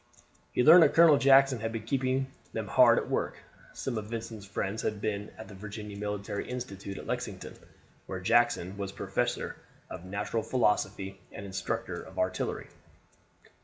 He learned that Colonel Jackson had been keeping them hard at work. Some of Vincent's friends had been at the Virginia Military Institute at Lexington, where Jackson was professor of natural philosophy and instructor of artillery.